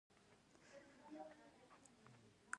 پړانګ نشته